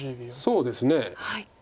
そうですね。